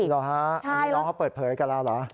เหรอฮะอันนี้น้องเขาเปิดเผยกับเราเหรอ